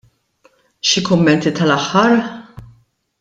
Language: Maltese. Xi kummenti tal-aħħar?